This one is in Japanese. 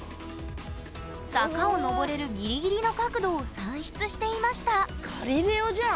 坂をのぼれるギリギリの角度を算出していましたガリレオじゃん。